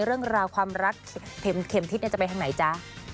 เรื่องราวความรักเข็มทิศจะไปทางไหนจ๊ะ